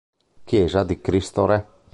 Chiesa di Cristo Re